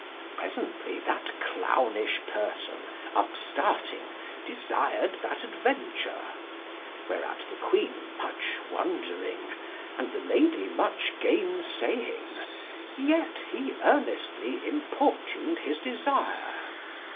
Presently that clownish person, upstarting, desired that adventure: whereat the Queene much wondering, and the lady much gainesaying, yet he earnestly importuned his desire.